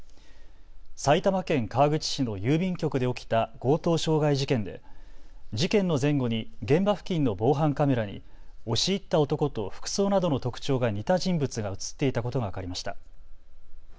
埼玉県川口市の郵便局で起きた強盗傷害事件で事件の前後に現場付近の防犯カメラに押し入った男と服装などの特徴が似た人物が写っていたことが分かりました。